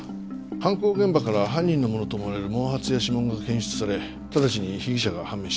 犯行現場から犯人のものと思われる毛髪や指紋が検出され直ちに被疑者が判明した。